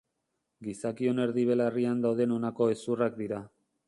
Gizakion erdi belarrian dauden honako hezurrak dira.